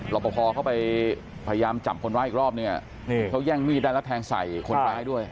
ปภเข้าไปพยายามจับคนร้ายอีกรอบนึงเนี่ยเขาแย่งมีดได้แล้วแทงใส่คนร้ายด้วย